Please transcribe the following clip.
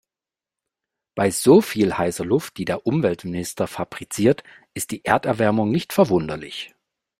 Bei so viel heißer Luft, die der Umweltminister fabriziert, ist die Erderwärmung nicht verwunderlich.